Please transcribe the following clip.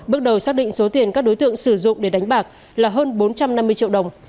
bước đầu xác định số tiền các đối tượng sử dụng để đánh bạc là hơn bốn trăm năm mươi triệu đồng